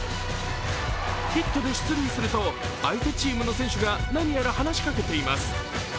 ヒットで出塁すると相手チームの選手が何やら話しかけています。